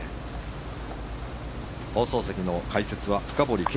放送席の解説は深堀